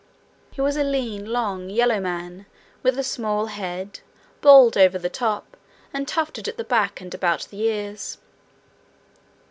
He was a lean, long, yellow man, with a small head, bald over the top, and tufted at the back and about the ears.